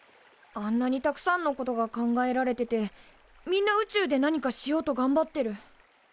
あんなにたくさんのことが考えられててみんな宇宙で何かしようと頑張ってる。